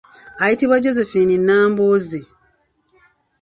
Ayitibwa Josephine Nnambooze.